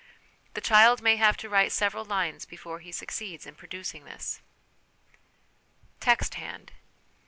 The child may have to write several lines before he succeeds in pro ducing this. Text hand.